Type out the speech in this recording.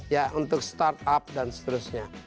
ya untuk start up dan seterusnya